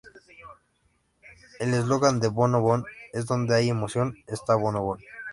El eslogan de Bon o Bon es, "Donde hay emoción, está Bon o Bon".